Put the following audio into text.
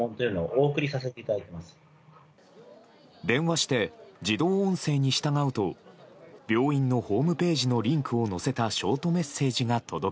電話して自動音声に従うと病院のホームページのリンクを載せたショートメッセージが届